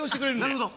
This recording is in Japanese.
なるほど。